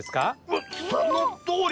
わっそのとおり。